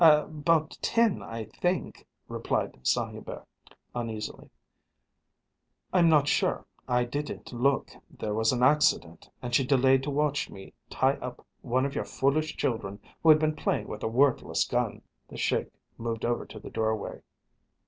"About ten, I think," replied Saint Hubert uneasily. "I'm not sure. I didn't look. There was an accident, and she delayed to watch me tie up one of your foolish children who had been playing with a worthless gun." The Sheik moved over to the doorway.